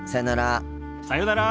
さようなら。